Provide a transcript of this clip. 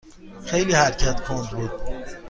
خیلی حرکت کند بود.